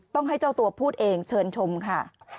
ต้องให้เจ้าตัวพูดเองเชิญชมค่ะ